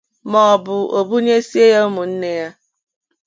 maọbụ o bunyesie ya ụmụnne ya